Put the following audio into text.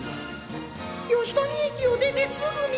吉富駅を出てすぐ右！